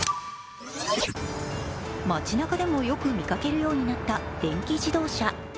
街なかでもよく見かけるようになった電気自動車。